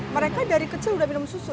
mereka dari kecil udah minum susu